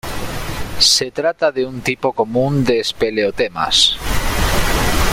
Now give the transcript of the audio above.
Se trata de un tipo común de espeleotemas.